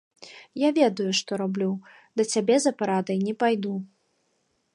Я ведаю, што раблю, да цябе за парадай не пайду.